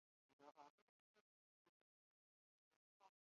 بسم الله الرحمن الرحيم يس